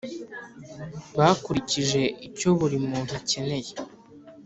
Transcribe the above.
Bakurikije icyo buri muntu akeneye